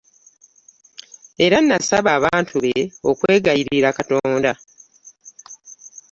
Era n'asaba abantu be okwegayirira Katonda